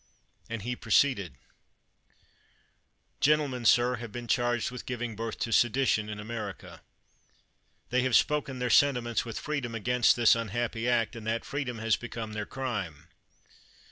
and he proceeded:] Gentlemen, sir, have been charged with giving birth to sedition in America. They have spoken their sentiments with freedom against this un happy act, and that freedom has become their crime.